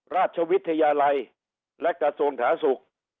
ราชวิทยาลัยและกระทรวงสาธารณสุข